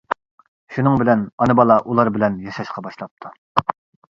شۇنىڭ بىلەن ئانا-بالا ئۇلار بىلەن ياشاشقا باشلاپتۇ.